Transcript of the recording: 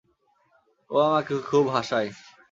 ও আমাকে খুব হাসায়।